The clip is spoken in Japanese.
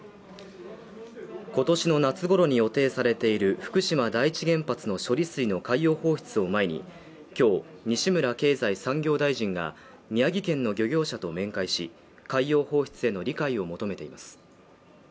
今年の夏頃に予定されている福島第一原発の処理水の海洋放出を前に、今日西村経済産業大臣が、宮城県の漁業者と面会し、海洋放出への理解を求めています。